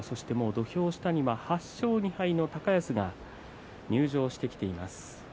土俵下には８勝２敗の高安入場してきます。